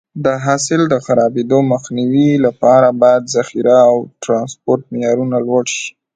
د حاصل د خرابېدو مخنیوي لپاره باید ذخیره او ټرانسپورټ معیارونه لوړ شي.